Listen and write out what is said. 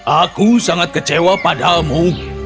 aku sangat kecewa padamu